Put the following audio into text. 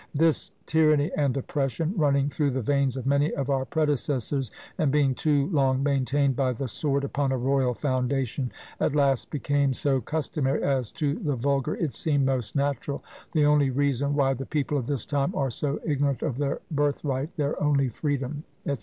This tyranny and oppression running through the veins of many of our predecessors, and being too long maintained by the sword upon a royal foundation, at last became so customary, as to the vulgar it seemed most natural the only reason why the people of this time are so ignorant of their birthright, their only freedom," &c.